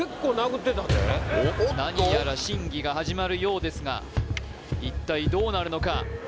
何やら審議が始まるようですが一体どうなるのか？